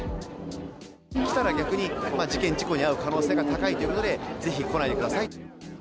来たら逆に、事件、事故に遭う可能性が高いということで、ぜひ来ないでください。